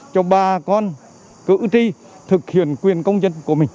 cho bà con cử tri thực hiện quyền công dân của mình